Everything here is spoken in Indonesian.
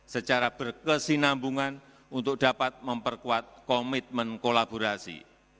secara berkesinambungan untuk dapat memperkuat komitmen kolaborasi